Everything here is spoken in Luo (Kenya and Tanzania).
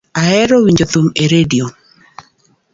Ahero winjo thum e radio